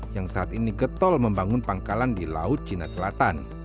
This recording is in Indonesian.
yang saat ini getol membangun pangkalan di laut